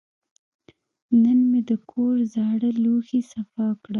نن مې د کور زاړه لوښي صفا کړل.